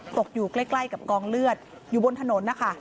ตกอยู่ใกล้กับกองเลือดอยู่บนถนนนะคะ